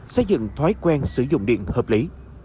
xây dựng thói quen sử dụng điện hợp lý